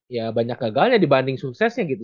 ya banyak gagalnya dibanding suksesnya gitu